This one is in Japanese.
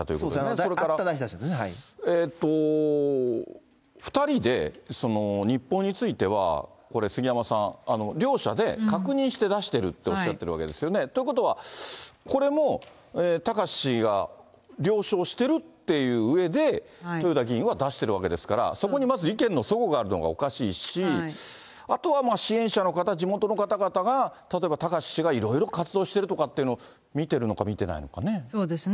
それから２人で日報についてはこれ、杉山さん、両者で確認して出してるっておっしゃってるわけですよね。ということは、これも貴志氏が了承しているっていううえで、豊田議員は出してるわけですから、そこにまず意見のそごがあるのがおかしいし、あとは支援者の方、地元の方々が、例えば貴志氏がいろいろ活動してるとかっていうのを見てるのか見そうですね。